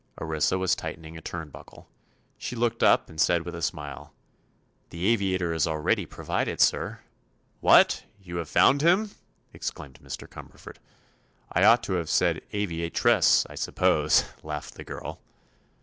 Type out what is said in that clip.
Orissa was tightening a turnbuckle. She looked up and said with a smile: "The aviator is already provided, sir." "What! You have found him?" exclaimed Mr. Cumberford. "I ought to have said 'aviatress,' I suppose," laughed the girl.